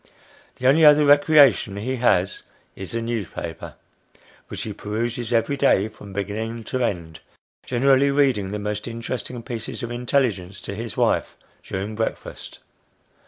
The only other recreation he has, is the newspaper, which he peruses every day, from beginning to end, generally reading the most interesting pieces of intelligence to his wife, during breakfast.